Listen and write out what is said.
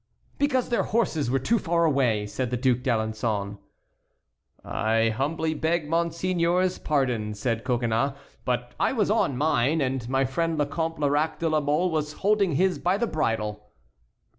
"Because their horses were too far away," said the Duc d'Alençon. "I humbly beg monseigneur's pardon," said Coconnas; "but I was on mine, and my friend the Comte Lerac de la Mole was holding his by the bridle."